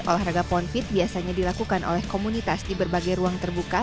olahraga pound feet biasanya dilakukan oleh komunitas di berbagai ruang terbuka